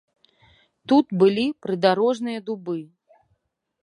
Тут былі прыдарожныя дубы.